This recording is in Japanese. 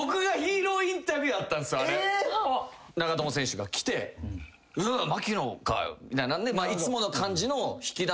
長友選手が来て「槙野かよ」みたいなんでいつもの感じのを引き出そうと思って。